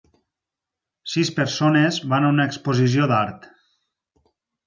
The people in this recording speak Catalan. Sis persones van a una exposició d'art.